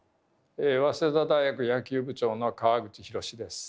早稲田大学野球部部長の川口浩です。